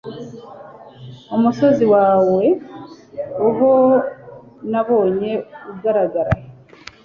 umusozi wawe, aho nabonye ugaragara